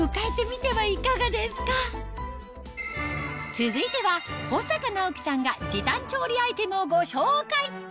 続いては保阪尚希さんが時短調理アイテムをご紹介